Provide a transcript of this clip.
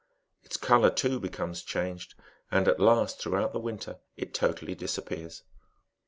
Its colour, too, becomes changed, and it last, throughout the winter, it totally disappears.